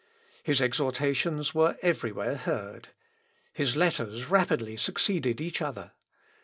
His exhortations were everywhere heard. His letters rapidly succeeded each other.